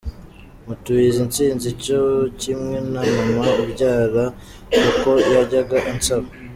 Mutuye iyi ntsinzi cyo kimwe na mama umbyara kuko yajyaga ansaba